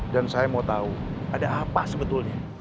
dan saya mau tahu ada apa sebetulnya